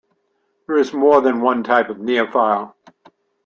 There is more than one type of neophile.